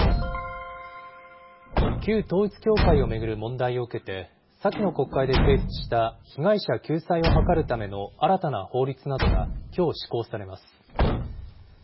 旧統一教会を巡る問題を受けて、先の国会で成立した被害者救済を図るための新たな法律などがきょう施行されます。